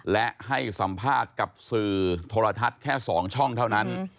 และให้สัมภาษณ์กับสื่อโทรทัศน์แค่๒ช่องเท่านั้น